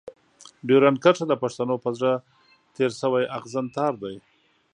ډيورنډ کرښه د پښتنو په زړه تېر شوی اغزن تار دی.